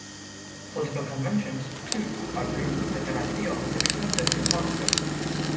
Political conventions, too, outgrew the capacity of the Civic Center to host them.